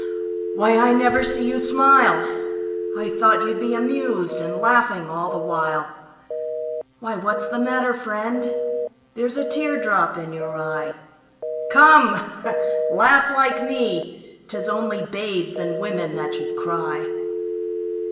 Why, I never see you smile, I thought you'd be amused, and laughing all the while. Why, what's the matter, friend? There's a tear drop in you eye, Come, laugh like me. 'Tis only babes and women that should cry.